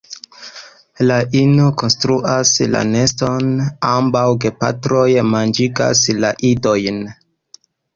La ino konstruas la neston; ambaŭ gepatroj manĝigas la idojn.